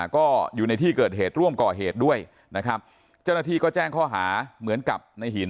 ก็อยู่ในที่เกิดเหตุร่วมก่อเหตุด้วยนะครับเจ้าหน้าที่ก็แจ้งข้อหาเหมือนกับในหิน